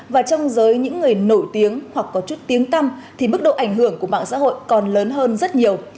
và trong giới những người nổi tiếng hoặc có chút tiếng tâm thì mức độ ảnh hưởng của mạng xã hội còn lớn hơn rất nhiều